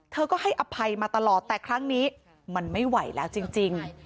เธอก็ให้อภัยมาตลอดแต่ครั้งนี้มันไม่ไหวแล้วจริง